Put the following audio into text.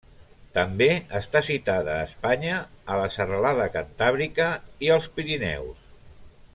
També està citada a Espanya a la Serralada Cantàbrica i els Pirineus.